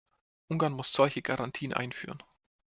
Ungarn muss solche Garantien einführen.